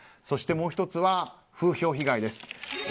そして、もう１つは風評被害です。